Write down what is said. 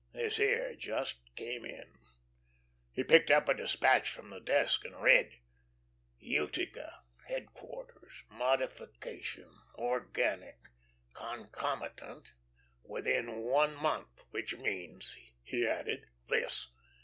This here just came in." He picked up a despatch from his desk and read: "'Utica headquarters modification organic concomitant within one month,' which means," he added, "this.